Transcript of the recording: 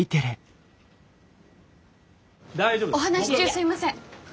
お話し中すいません。